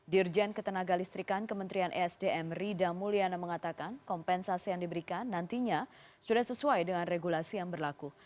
dirjen ketenaga listrikan kementerian esdm rida mulyana mengatakan kompensasi yang diberikan nantinya sudah sesuai dengan regulasi yang berlaku